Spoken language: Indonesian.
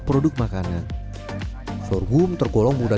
produk makanan sorghum tergolong mudah